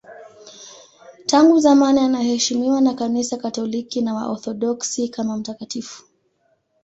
Tangu zamani anaheshimiwa na Kanisa Katoliki na Waorthodoksi kama mtakatifu.